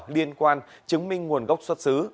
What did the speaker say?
liên quan chứng minh nguồn gốc xuất xứ